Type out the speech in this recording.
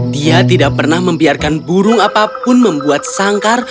dia tidak pernah membiarkan burung apapun membuat sangkar